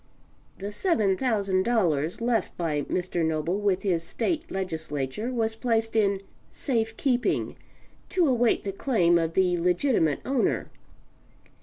[The $7,000 left by Mr. Noble with his state legislature was placed in safe keeping to await the claim of the legitimate owner.